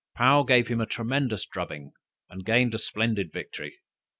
Paou gave him a tremendous drubbing, and gained a splendid victory.